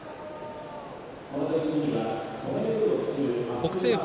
北青鵬